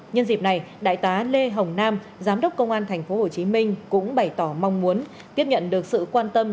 nhân dịp này đại tá lê hồng nam giám đốc công an tp hcm cũng bày tỏ mong muốn tiếp nhận được sự quan tâm